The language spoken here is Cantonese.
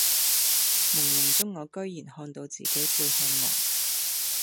朦朧中我居然看到自己背向外